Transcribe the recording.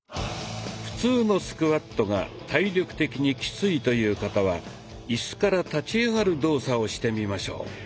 普通のスクワットが体力的にキツイという方はイスから立ち上がる動作をしてみましょう。